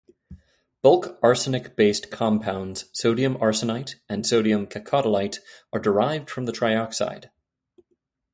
Bulk arsenic-based compounds sodium arsenite and sodium cacodylate are derived from the trioxide.